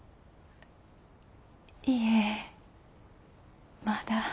いえまだ。